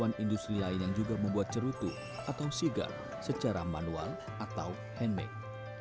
ada empat puluh an industri lain yang juga membuat cerutu atau sigar secara manual atau handmade